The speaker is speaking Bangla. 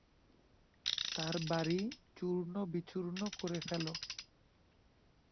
তার বাড়ি চূর্ণবিচূর্ণ করে ফেলো।